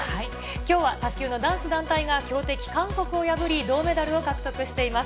きょうは卓球の男子団体が強敵、韓国を破り、銅メダルを獲得しています。